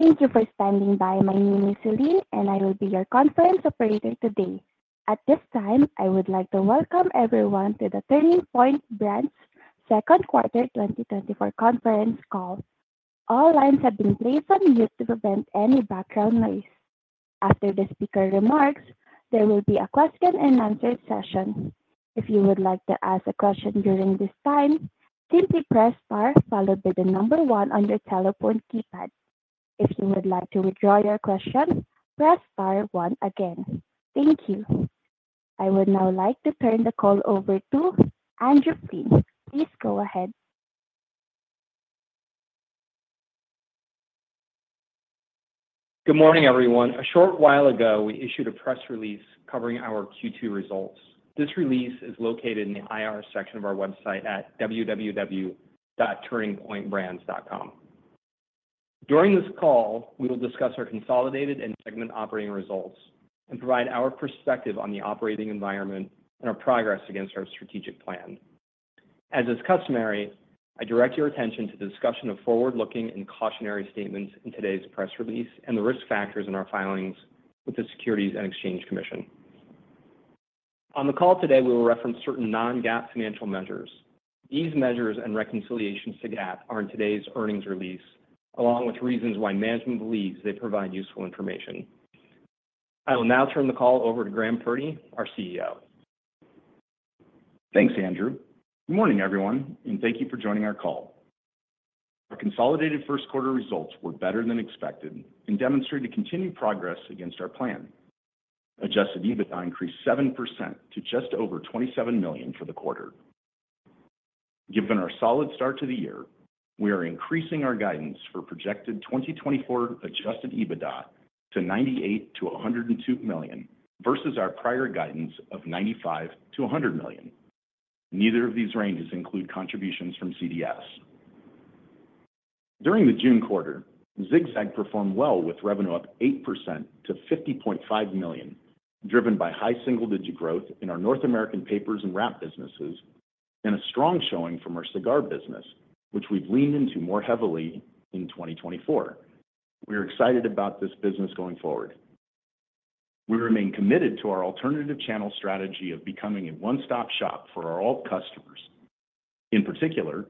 Thank you for standing by. My name is Celine, and I will be your conference operator today. At this time, I would like to welcome everyone to the Turning Point Brands Second Quarter 2024 conference call. All lines have been placed on mute to prevent any background noise. After the speaker remarks, there will be a question-and-answer session. If you would like to ask a question during this time, simply press Star, followed by the number 1 on your telephone keypad. If you would like to withdraw your question, press Star 1 again. Thank you. I would now like to turn the call over to Andrew Flynn. Please go ahead. Good morning, everyone. A short while ago, we issued a press release covering our Q2 results. This release is located in the IR section of our website at www.turningpointbrands.com. During this call, we will discuss our consolidated and segment operating results and provide our perspective on the operating environment and our progress against our strategic plan. As is customary, I direct your attention to the discussion of forward-looking and cautionary statements in today's press release and the risk factors in our filings with the Securities and Exchange Commission. On the call today, we will reference certain non-GAAP financial measures. These measures and reconciliations to GAAP are in today's earnings release, along with reasons why management believes they provide useful information. I will now turn the call over to Graham Purdy, our CEO. Thanks, Andrew. Good morning, everyone, and thank you for joining our call. Our consolidated first quarter results were better than expected and demonstrate a continued progress against our plan. Adjusted EBITDA increased 7% to just over $27 million for the quarter. Given our solid start to the year, we are increasing our guidance for projected 2024 adjusted EBITDA to $98 million-$102 million versus our prior guidance of $95 million-$100 million. Neither of these ranges include contributions from CDS. During the June quarter, Zig-Zag performed well with revenue up 8% to $50.5 million, driven by high single-digit growth in our North American papers and wrap businesses and a strong showing from our cigar business, which we've leaned into more heavily in 2024. We are excited about this business going forward. We remain committed to our alternative channel strategy of becoming a one-stop shop for our all customers. In particular,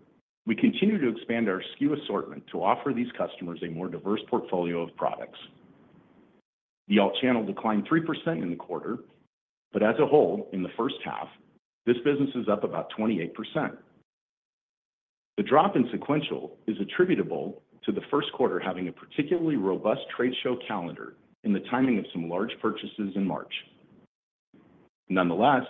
we continue to expand our SKU assortment to offer these customers a more diverse portfolio of products. The alt channel declined 3% in the quarter, but as a whole, in the first half, this business is up about 28%. The drop in sequential is attributable to the first quarter having a particularly robust trade show calendar and the timing of some large purchases in March. Nonetheless,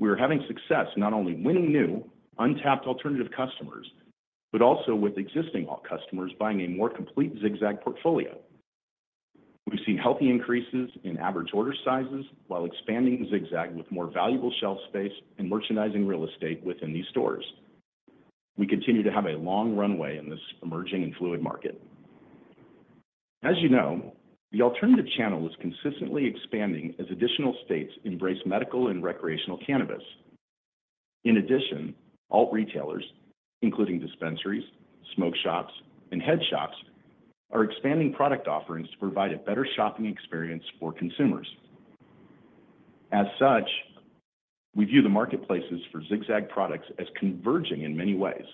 we are having success not only winning new, untapped alternative customers, but also with existing alt customers buying a more complete Zig-Zag portfolio. We've seen healthy increases in average order sizes while expanding Zig-Zag with more valuable shelf space and merchandising real estate within these stores. We continue to have a long runway in this emerging and fluid market. As you know, the alternative channel is consistently expanding as additional states embrace medical and recreational cannabis. In addition, alt retailers, including dispensaries, smoke shops, and head shops, are expanding product offerings to provide a better shopping experience for consumers. As such, we view the marketplaces for Zig-Zag products as converging in many ways,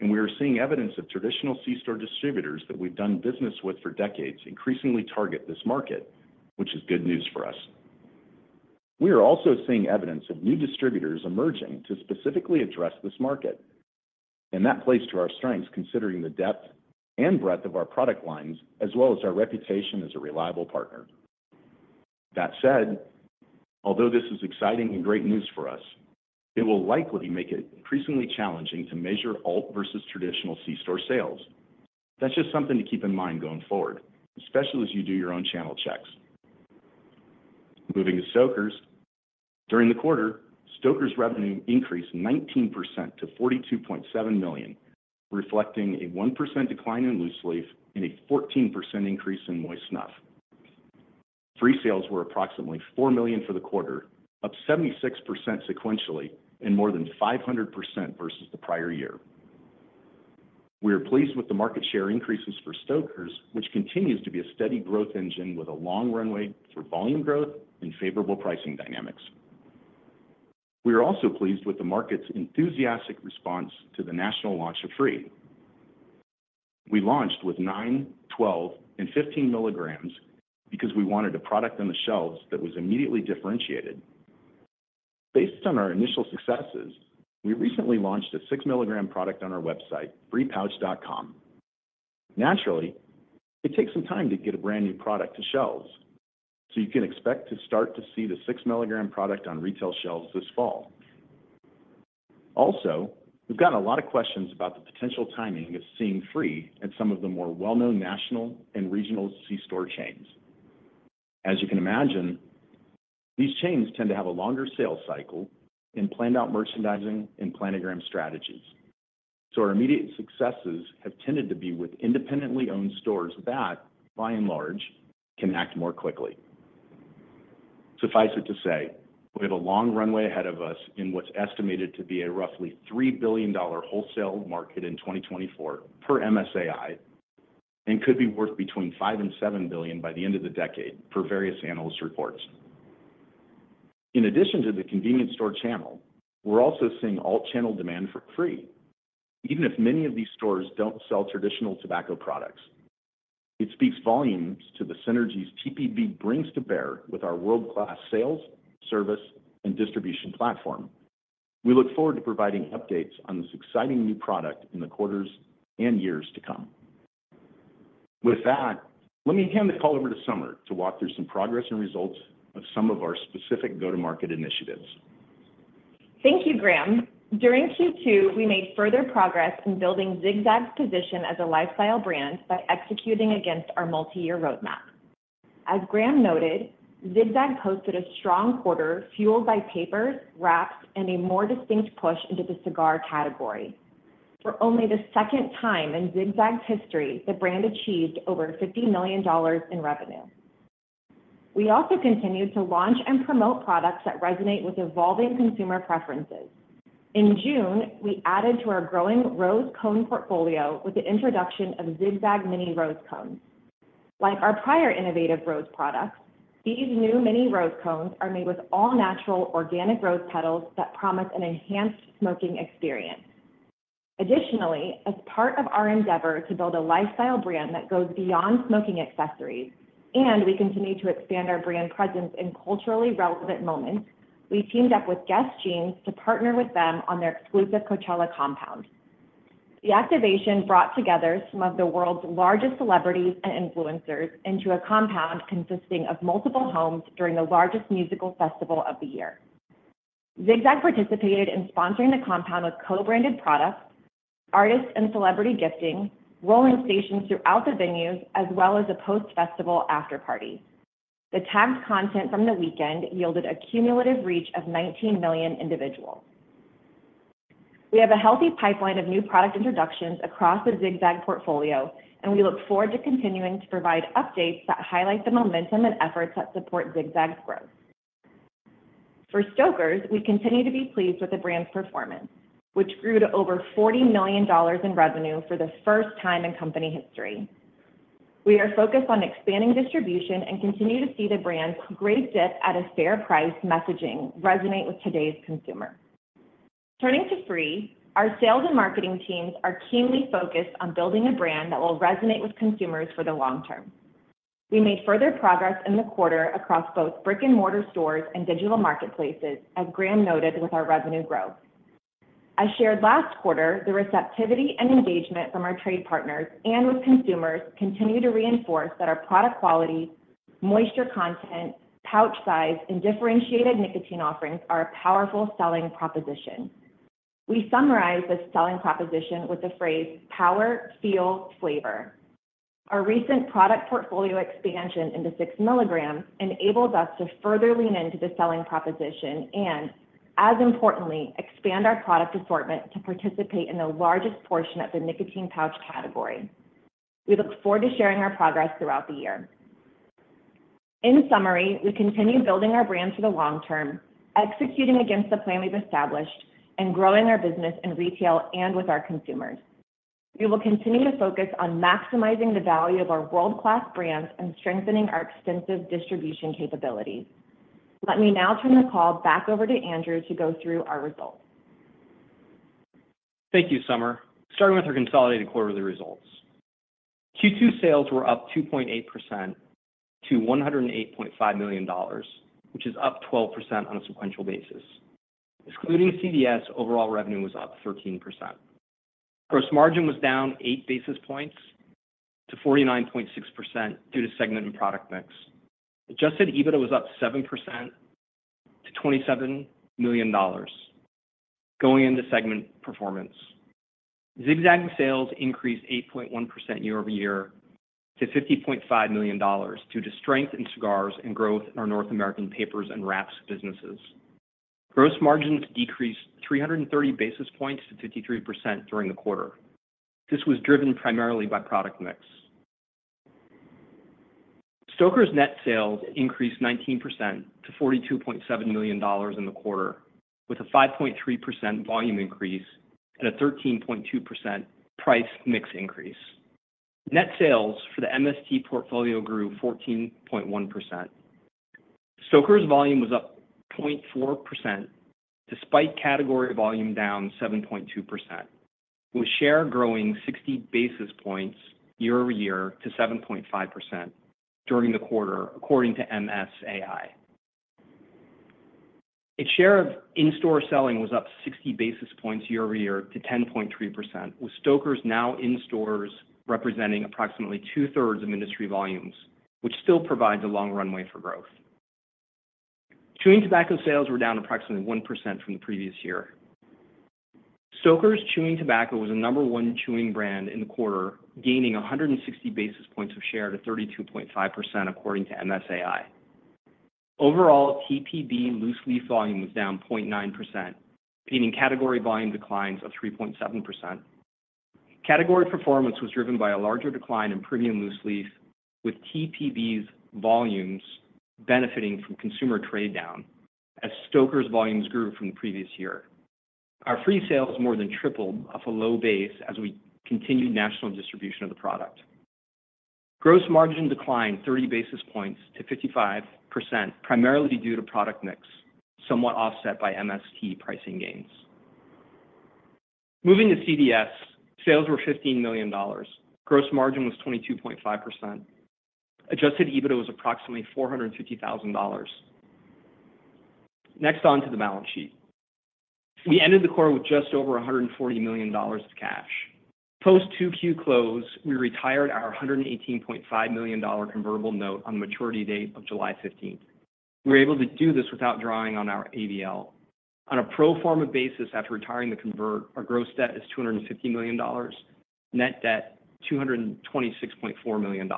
and we are seeing evidence of traditional C-store distributors that we've done business with for decades increasingly target this market, which is good news for us. We are also seeing evidence of new distributors emerging to specifically address this market. That plays to our strengths, considering the depth and breadth of our product lines, as well as our reputation as a reliable partner. That said, although this is exciting and great news for us, it will likely make it increasingly challenging to measure alt versus traditional C-store sales. That's just something to keep in mind going forward, especially as you do your own channel checks. Moving to Stoker's. During the quarter, Stoker's revenue increased 19% to $42.7 million, reflecting a 1% decline in loose leaf and a 14% increase in moist snuff. FRE sales were approximately $4 million for the quarter, up 76% sequentially and more than 500% versus the prior year. We are pleased with the market share increases for Stoker's, which continues to be a steady growth engine with a long runway for volume growth and favorable pricing dynamics. We are also pleased with the market's enthusiastic response to the national launch of FRE. We launched with 9, 12, and 15 milligrams because we wanted a product on the shelves that was immediately differentiated. Based on our initial successes, we recently launched a 6 milligram product on our website, frepouch.com. Naturally, it takes some time to get a brand new product to shelves, so you can expect to start to see the 6-milligram product on retail shelves this fall. Also, we've gotten a lot of questions about the potential timing of seeing FRE at some of the more well-known national and regional C-store chains. As you can imagine, these chains tend to have a longer sales cycle and planned-out merchandising and planogram strategies. So our immediate successes have tended to be with independently owned stores that, by and large, can act more quickly. Suffice it to say, we have a long runway ahead of us in what's estimated to be a roughly $3 billion wholesale market in 2024 per MSAI and could be worth between $5 billion and $7 billion by the end of the decade, per various analyst reports. In addition to the convenience store channel, we're also seeing alt channel demand for FRE, even if many of these stores don't sell traditional tobacco products. It speaks volumes to the synergies TPB brings to bear with our world-class sales, service, and distribution platform. We look forward to providing updates on this exciting new product in the quarters and years to come. With that, let me hand the call over to Summer to walk through some progress and results of some of our specific go-to-market initiatives. Thank you, Graham. During Q2, we made further progress in building Zig-Zag's position as a lifestyle brand by executing against our multi-year roadmap. As Graham noted, Zig-Zag posted a strong quarter fueled by papers, wraps, and a more distinct push into the cigar category. For only the second time in Zig-Zag's history, the brand achieved over $50 million in revenue. We also continued to launch and promote products that resonate with evolving consumer preferences. In June, we added to our growing rose cone portfolio with the introduction of Zig-Zag Mini Rose Cones. Like our prior innovative rose products, these new mini rose cones are made with all-natural organic rose petals that promise an enhanced smoking experience. Additionally, as part of our endeavor to build a lifestyle brand that goes beyond smoking accessories, and we continue to expand our brand presence in culturally relevant moments, we teamed up with Guess Jeans to partner with them on their exclusive Coachella compound. The activation brought together some of the world's largest celebrities and influencers into a compound consisting of multiple homes during the largest musical festival of the year. Zig-Zag participated in sponsoring the compound with co-branded products, artists and celebrity gifting, rolling stations throughout the venues, as well as a post-festival afterparty. The tagged content from the weekend yielded a cumulative reach of 19 million individuals. We have a healthy pipeline of new product introductions across the Zig-Zag portfolio, and we look forward to continuing to provide updates that highlight the momentum and efforts that support Zig-Zag's growth. For Stoker's, we continue to be pleased with the brand's performance, which grew to over $40 million in revenue for the first time in company history. We are focused on expanding distribution and continue to see the brand's great dip at a fair price messaging resonate with today's consumer. Turning to FRE, our sales and marketing teams are keenly focused on building a brand that will resonate with consumers for the long term. We made further progress in the quarter across both brick-and-mortar stores and digital marketplaces, as Graham noted with our revenue growth. As shared last quarter, the receptivity and engagement from our trade partners and with consumers continue to reinforce that our product quality, moisture content, pouch size, and differentiated nicotine offerings are a powerful selling proposition. We summarize this selling proposition with the phrase "power, feel, flavor." Our recent product portfolio expansion into 6 milligrams enables us to further lean into the selling proposition and, as importantly, expand our product assortment to participate in the largest portion of the nicotine pouch category. We look forward to sharing our progress throughout the year. In summary, we continue building our brand for the long term, executing against the plan we've established, and growing our business in retail and with our consumers. We will continue to focus on maximizing the value of our world-class brands and strengthening our extensive distribution capabilities. Let me now turn the call back over to Andrew to go through our results. Thank you, Summer. Starting with our consolidated quarterly results, Q2 sales were up 2.8% to $108.5 million, which is up 12% on a sequential basis. Excluding CDS, overall revenue was up 13%. Gross margin was down 8 basis points to 49.6% due to segment and product mix. Adjusted EBITDA was up 7% to $27 million, going into segment performance. Zig-Zag sales increased 8.1% year-over-year to $50.5 million due to strength in cigars and growth in our North American papers and wraps businesses. Gross margins decreased 330 basis points to 53% during the quarter. This was driven primarily by product mix. Stoker's net sales increased 19% to $42.7 million in the quarter, with a 5.3% volume increase and a 13.2% price mix increase. Net sales for the MST portfolio grew 14.1%. Stoker's volume was up 0.4% despite category volume down 7.2%, with share growing 60 basis points year-over-year to 7.5% during the quarter, according to MSAI. Its share of in-store selling was up 60 basis points year-over-year to 10.3%, with Stoker's now in stores representing approximately two-thirds of industry volumes, which still provides a long runway for growth. Chewing tobacco sales were down approximately 1% from the previous year. Stoker's Chewing Tobacco was a number one chewing brand in the quarter, gaining 160 basis points of share to 32.5%, according to MSAI. Overall, TPB loose leaf volume was down 0.9%, beating category volume declines of 3.7%. Category performance was driven by a larger decline in premium loose leaf, with TPB's volumes benefiting from consumer trade down as Stoker's volumes grew from the previous year. Our FRE sales more than tripled off a low base as we continued national distribution of the product. Gross margin declined 30 basis points to 55%, primarily due to product mix, somewhat offset by MST pricing gains. Moving to CDS, sales were $15 million. Gross margin was 22.5%. Adjusted EBITDA was approximately $450,000. Next on to the balance sheet. We ended the quarter with just over $140 million of cash. Post Q2 close, we retired our $118.5 million convertible note on the maturity date of July 15th. We were able to do this without drawing on our ABL. On a pro forma basis, after retiring the convert, our gross debt is $250 million, net debt $226.4 million.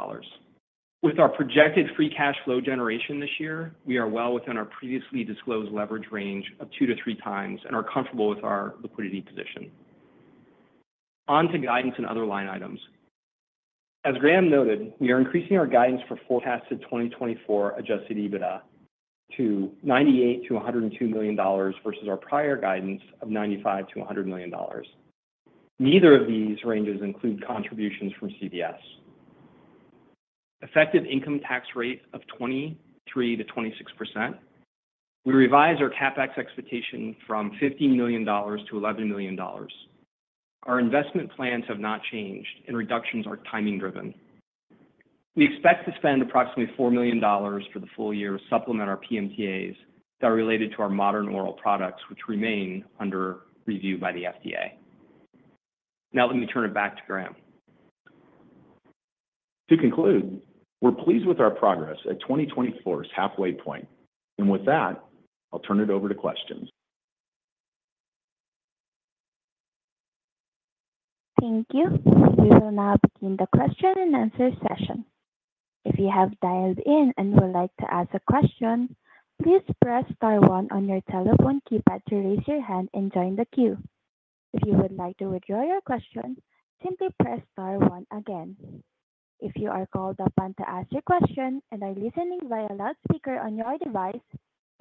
With our projected FRE cash flow generation this year, we are well within our previously disclosed leverage range of two to three times and are comfortable with our liquidity position. On to guidance and other line items. As Graham noted, we are increasing our guidance for forecasted 2024 Adjusted EBITDA to $98-$102 million versus our prior guidance of $95-$100 million. Neither of these ranges include contributions from CDS. Effective income tax rate of 23%-26%. We revise our CapEx expectation from $15 million to $11 million. Our investment plans have not changed, and reductions are timing-driven. We expect to spend approximately $4 million for the full year to supplement our PMTAs that are related to our Modern Oral products, which remain under review by the FDA. Now, let me turn it back to Graham. To conclude, we're pleased with our progress at 2024's halfway point. And with that, I'll turn it over to questions. Thank you. We will now begin the question and answer session. If you have dialed in and would like to ask a question, please press star 1 on your telephone keypad to raise your hand and join the queue. If you would like to withdraw your question, simply press star 1 again. If you are called upon to ask your question and are listening via loudspeaker on your device,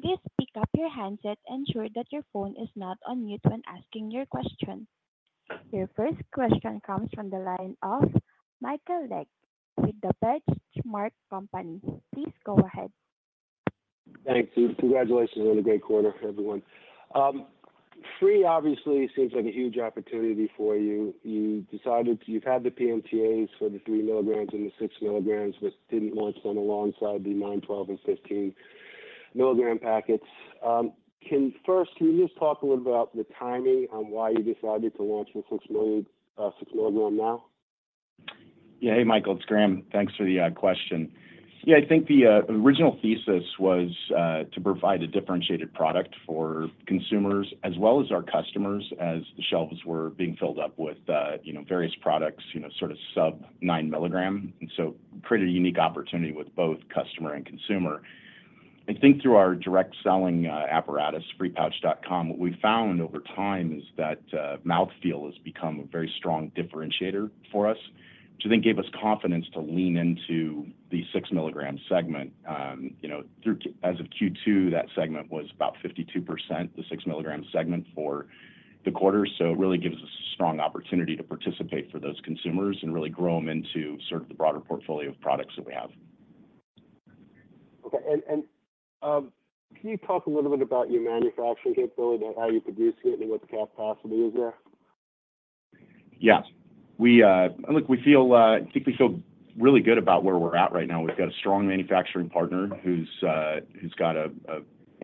please pick up your handset and ensure that your phone is not on mute when asking your question. Your first question comes from the line of Michael Legg with the Benchmark Company. Please go ahead. Thanks. Congratulations on a great quarter, everyone. FRE obviously seems like a huge opportunity for you. You've had the PMTAs for the 3 milligrams and the 6 milligrams, but didn't launch them alongside the 9, 12, and 15 milligram packets. Can you first just talk a little bit about the timing on why you decided to launch the 6 milligram now? Yeah. Hey, Michael. It's Graham. Thanks for the question. Yeah, I think the original thesis was to provide a differentiated product for consumers as well as our customers as the shelves were being filled up with various products, sort of sub-9 milligram. And so pretty unique opportunity with both customer and consumer. I think through our direct selling apparatus, frepouch.com, what we found over time is that mouthfeel has become a very strong differentiator for us, which I think gave us confidence to lean into the 6 milligram segment. As of Q2, that segment was about 52%, the 6 milligram segment for the quarter. So it really gives us a strong opportunity to participate for those consumers and really grow them into sort of the broader portfolio of products that we have. Okay. Can you talk a little bit about your manufacturing capability and how you're producing it and what the capacity is there? Yeah. Look, we feel I think we feel really good about where we're at right now. We've got a strong manufacturing partner who's got an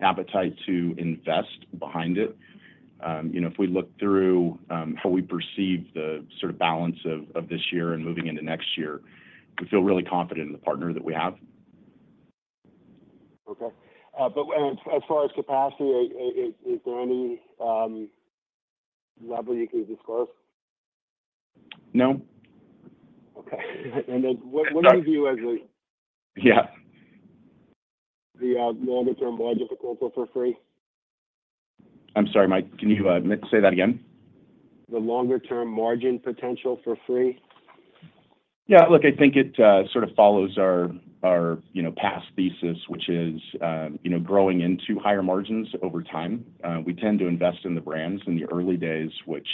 appetite to invest behind it. If we look through how we perceive the sort of balance of this year and moving into next year, we feel really confident in the partner that we have. Okay. But as far as capacity, is there any level you can disclose? No. Okay. And then what do you view as the? Yeah. The longer-term margin potential for FRE? I'm sorry, Mike. Can you say that again? The longer-term margin potential for FRE? Yeah. Look, I think it sort of follows our past thesis, which is growing into higher margins over time. We tend to invest in the brands in the early days, which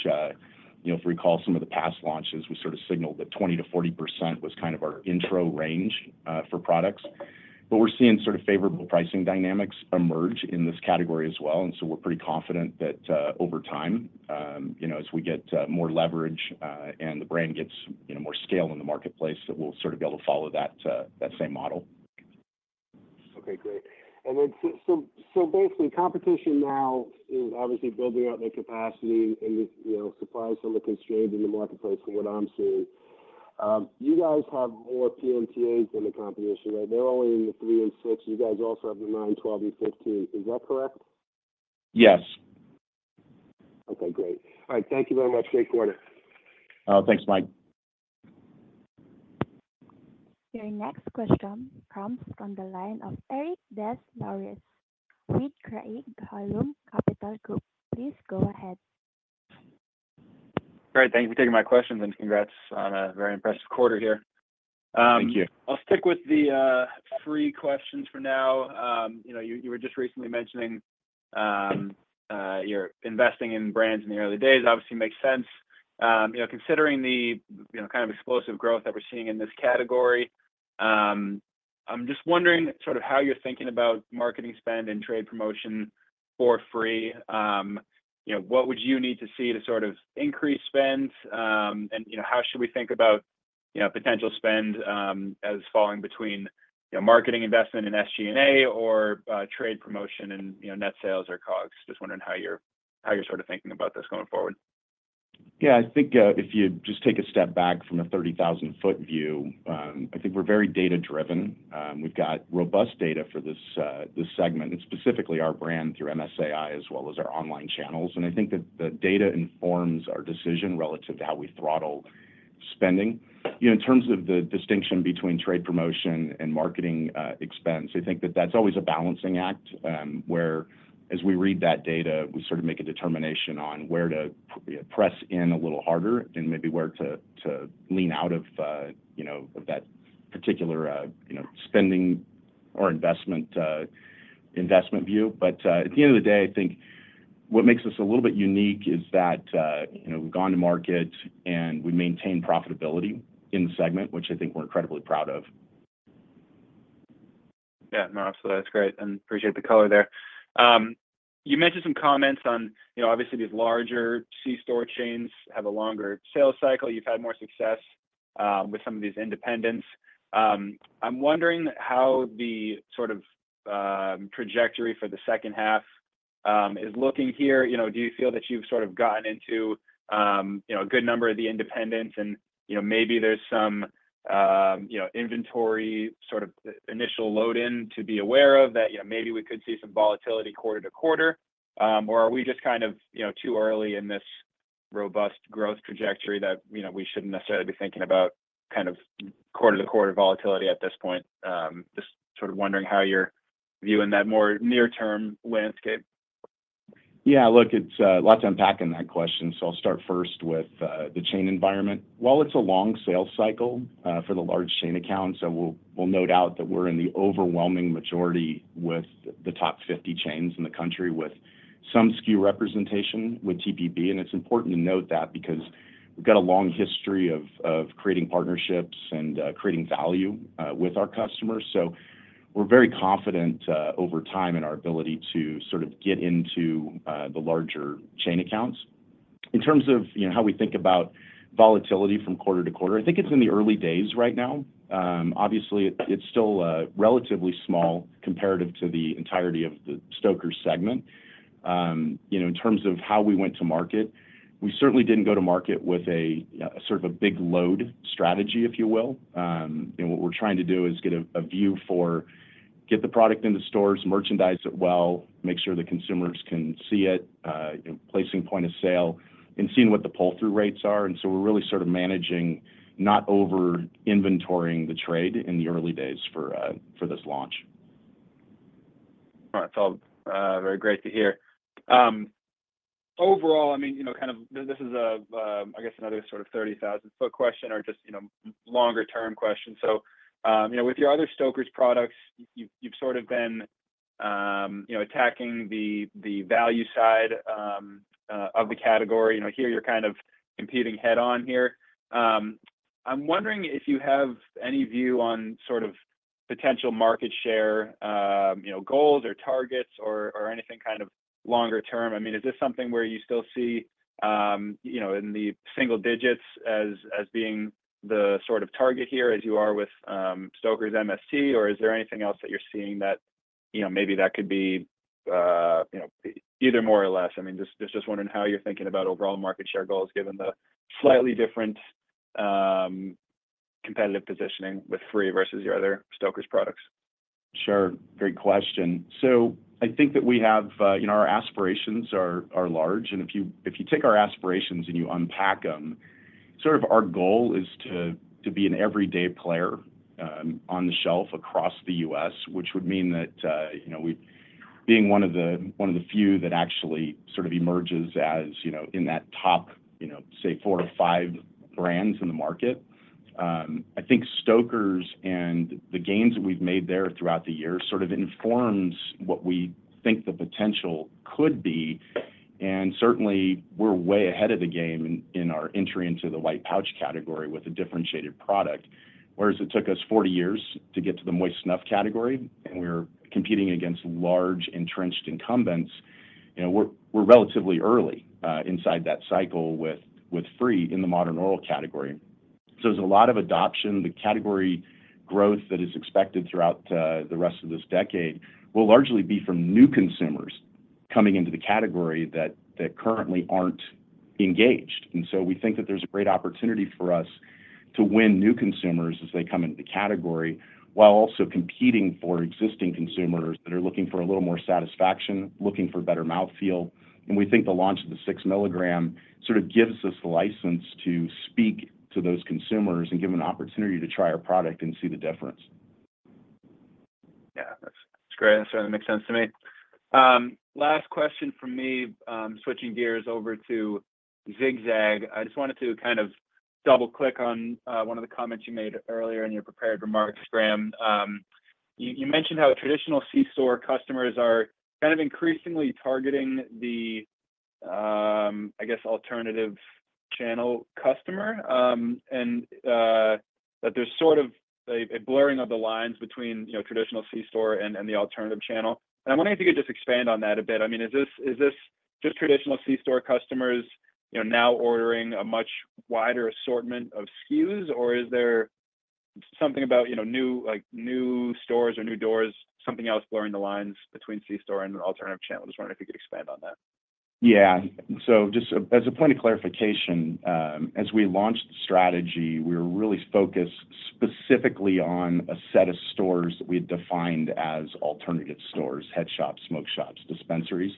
if we recall some of the past launches, we sort of signaled that 20%-40% was kind of our intro range for products. But we're seeing sort of favorable pricing dynamics emerge in this category as well. And so we're pretty confident that over time, as we get more leverage and the brand gets more scale in the marketplace, that we'll sort of be able to follow that same model. Okay. Great. Basically, competition now is obviously building up their capacity and supply some of the constraints in the marketplace from what I'm seeing. You guys have more PMTAs than the competition, right? They're only in the 3 and 6. You guys also have the 9, 12, and 15. Is that correct? Yes. Okay. Great. All right. Thank you very much. Great quarter. Oh, thanks, Mike. Your next question comes from the line of Eric Des Lauriers, Craig-Hallum Capital Group. Please go ahead. All right. Thank you for taking my questions. Congrats on a very impressive quarter here. Thank you. I'll stick with the FRE questions for now. You were just recently mentioning your investing in brands in the early days. Obviously, makes sense. Considering the kind of explosive growth that we're seeing in this category, I'm just wondering sort of how you're thinking about marketing spend and trade promotion for FRE. What would you need to see to sort of increase spend? And how should we think about potential spend as falling between marketing investment and SG&A or trade promotion and net sales or COGS? Just wondering how you're sort of thinking about this going forward. Yeah. I think if you just take a step back from a 30,000-foot view, I think we're very data-driven. We've got robust data for this segment, and specifically our brand through MSAI as well as our online channels. And I think that the data informs our decision relative to how we throttle spending. In terms of the distinction between trade promotion and marketing expense, I think that that's always a balancing act where, as we read that data, we sort of make a determination on where to press in a little harder and maybe where to lean out of that particular spending or investment view. But at the end of the day, I think what makes us a little bit unique is that we've gone to market and we maintain profitability in the segment, which I think we're incredibly proud of. Yeah. No, absolutely. That's great. And appreciate the color there. You mentioned some comments on obviously these larger C-store chains have a longer sales cycle. You've had more success with some of these independents. I'm wondering how the sort of trajectory for the second half is looking here. Do you feel that you've sort of gotten into a good number of the independents and maybe there's some inventory sort of initial load-in to be aware of that maybe we could see some volatility quarter to quarter? Or are we just kind of too early in this robust growth trajectory that we shouldn't necessarily be thinking about kind of quarter to quarter volatility at this point? Just sort of wondering how you're viewing that more near-term landscape? Yeah. Look, it's a lot to unpack in that question. So I'll start first with the chain environment. While it's a long sales cycle for the large chain accounts, we'll note out that we're in the overwhelming majority with the top 50 chains in the country with some SKU representation with TPB. And it's important to note that because we've got a long history of creating partnerships and creating value with our customers. So we're very confident over time in our ability to sort of get into the larger chain accounts. In terms of how we think about volatility from quarter to quarter, I think it's in the early days right now. Obviously, it's still relatively small comparative to the entirety of the Stoker's segment. In terms of how we went to market, we certainly didn't go to market with a sort of a big load strategy, if you will. What we're trying to do is get a view for get the product into stores, merchandise it well, make sure the consumers can see it, placing point of sale, and seeing what the pull-through rates are. And so we're really sort of managing not over-inventorying the trade in the early days for this launch. All right. So very great to hear. Overall, I mean, kind of this is, I guess, another sort of 30,000-foot question or just longer-term question. So with your other Stoker's products, you've sort of been attacking the value side of the category. Here, you're kind of competing head-on here. I'm wondering if you have any view on sort of potential market share goals or targets or anything kind of longer term. I mean, is this something where you still see in the single digits as being the sort of target here as you are with Stoker's MST, or is there anything else that you're seeing that maybe that could be either more or less? I mean, just wondering how you're thinking about overall market share goals given the slightly different competitive positioning with FRE versus your other Stoker's products. Sure. Great question. So I think that we have our aspirations are large. And if you take our aspirations and you unpack them, sort of our goal is to be an everyday player on the shelf across the U.S., which would mean that being one of the few that actually sort of emerges as in that top, say, four or five brands in the market. I think Stoker's and the gains that we've made there throughout the year sort of informs what we think the potential could be. And certainly, we're way ahead of the game in our entry into the white pouch category with a differentiated product. Whereas it took us 40 years to get to the moist snuff category, and we're competing against large entrenched incumbents, we're relatively early inside that cycle with FRE in the modern oral category. So there's a lot of adoption. The category growth that is expected throughout the rest of this decade will largely be from new consumers coming into the category that currently aren't engaged. So we think that there's a great opportunity for us to win new consumers as they come into the category while also competing for existing consumers that are looking for a little more satisfaction, looking for better mouthfeel. We think the launch of the 6 milligram sort of gives us the license to speak to those consumers and give them an opportunity to try our product and see the difference. Yeah. That's great. That certainly makes sense to me. Last question for me, switching gears over to Zig-Zag. I just wanted to kind of double-click on one of the comments you made earlier in your prepared remarks, Graham. You mentioned how traditional C-store customers are kind of increasingly targeting the, I guess, alternative channel customer and that there's sort of a blurring of the lines between traditional C-store and the alternative channel. And I'm wondering if you could just expand on that a bit. I mean, is this just traditional C-store customers now ordering a much wider assortment of SKUs, or is there something about new stores or new doors, something else blurring the lines between C-store and alternative channel? Just wondering if you could expand on that. Yeah. So just as a point of clarification, as we launched the strategy, we were really focused specifically on a set of stores that we had defined as alternative stores: head shops, smoke shops, dispensaries,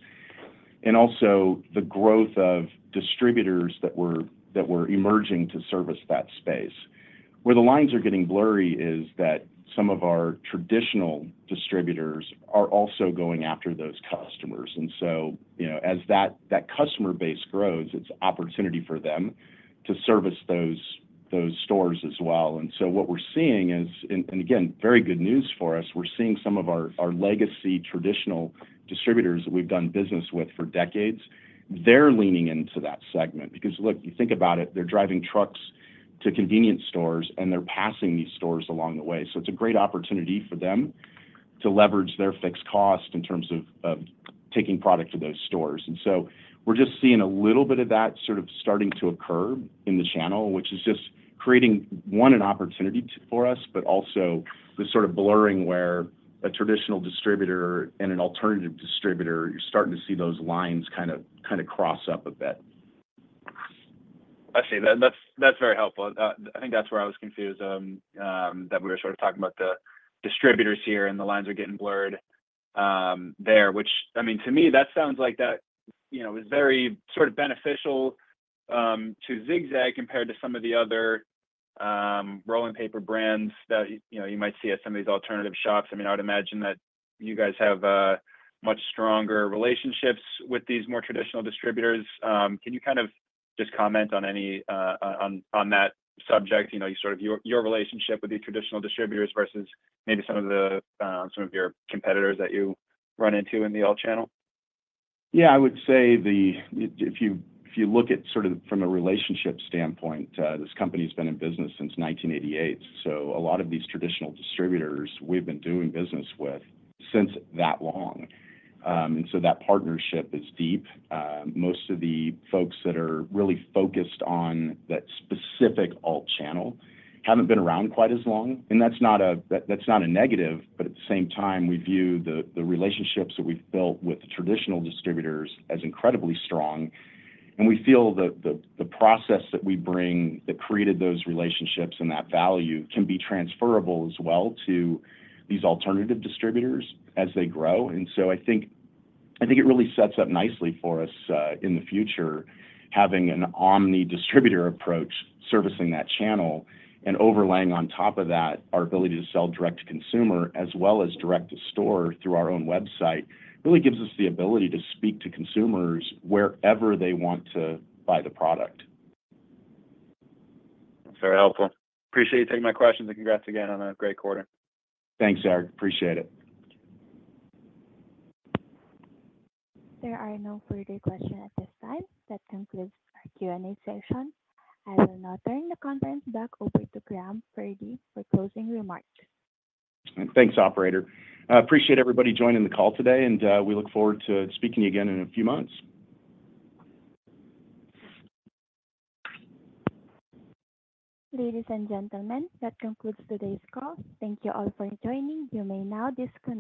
and also the growth of distributors that were emerging to service that space. Where the lines are getting blurry is that some of our traditional distributors are also going after those customers. And so as that customer base grows, it's opportunity for them to service those stores as well. And so what we're seeing is, and again, very good news for us, we're seeing some of our legacy traditional distributors that we've done business with for decades, they're leaning into that segment. Because look, you think about it, they're driving trucks to convenience stores, and they're passing these stores along the way. So it's a great opportunity for them to leverage their fixed cost in terms of taking product to those stores. And so we're just seeing a little bit of that sort of starting to occur in the channel, which is just creating, one, an opportunity for us, but also this sort of blurring where a traditional distributor and an alternative distributor, you're starting to see those lines kind of cross up a bit. I see. That's very helpful. I think that's where I was confused that we were sort of talking about the distributors here and the lines are getting blurred there, which, I mean, to me, that sounds like that is very sort of beneficial to Zig-Zag compared to some of the other rolling paper brands that you might see at some of these alternative shops. I mean, I would imagine that you guys have much stronger relationships with these more traditional distributors. Can you kind of just comment on that subject, sort of your relationship with these traditional distributors versus maybe some of your competitors that you run into in the alt channel? Yeah. I would say if you look at sort of from a relationship standpoint, this company has been in business since 1988. So a lot of these traditional distributors we've been doing business with since that long. And so that partnership is deep. Most of the folks that are really focused on that specific alt channel haven't been around quite as long. And that's not a negative, but at the same time, we view the relationships that we've built with traditional distributors as incredibly strong. And we feel the process that we bring that created those relationships and that value can be transferable as well to these alternative distributors as they grow. And so I think it really sets up nicely for us in the future having an omni-distributor approach servicing that channel and overlaying on top of that our ability to sell direct to consumer as well as direct to store through our own website really gives us the ability to speak to consumers wherever they want to buy the product. Very helpful. Appreciate you taking my questions and congrats again on a great quarter. Thanks, Eric. Appreciate it. There are no further questions at this time. That concludes our Q&A session. I will now turn the conference back over to Graham Purdy for closing remarks. Thanks, operator. Appreciate everybody joining the call today, and we look forward to speaking to you again in a few months. Ladies and gentlemen, that concludes today's call. Thank you all for joining. You may now disconnect.